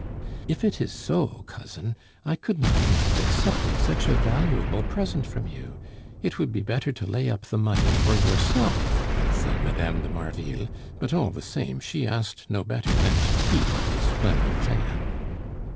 "If it is so, cousin, I could not think of accepting such a valuable present from you. It would be better to lay up the money for yourself," said Mme. de Marville; but all the same, she asked no better than to keep the splendid fan.